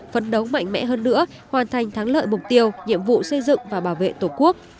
phấn đấu mạnh mẽ hơn nữa hoàn thành thắng lợi mục tiêu nhiệm vụ xây dựng và bảo vệ tổ quốc